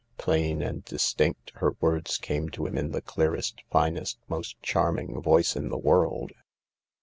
Plain and distinct, her words came to him in the clearest, finest, most charming voice in the world.